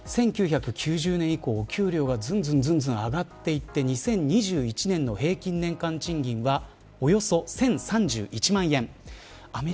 １９９０年以降お給料が上がっていって２０２１年の平均年間賃金はおよそ１０３１万円。